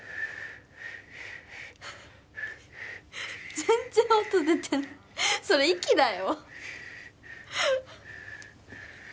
全然音出てないそれ息だよ